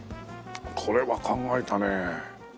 これは考えたね。